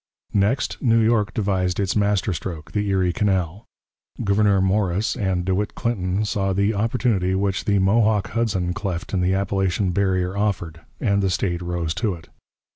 Next, New York devised its master stroke, the Erie Canal. Gouverneur Morris and De Witt Clinton saw the opportunity which the Mohawk Hudson cleft in the Appalachian barrier offered, and the state rose to it.